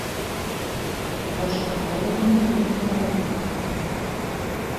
Башҡорт балы бында бик баһалана!